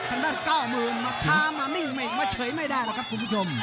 ทางด้านเก้ามือมาช้ามานิ่งมาเฉยไม่ได้แล้วครับคุณผู้ชม